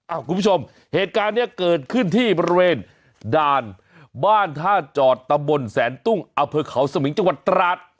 คุณผู้ชมเหตุการณ์นี้เกิดขึ้นที่บริเวณด่านบ้านท่าจอดตำบลแสนตุ้งอเภอเขาสมิงจังหวัดตราด